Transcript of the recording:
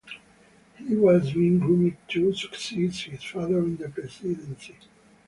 He was being groomed to succeed his father in the presidency.